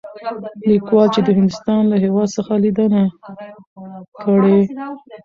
ليکوال چې د هندوستان له هـيواد څخه ليدنه کړى.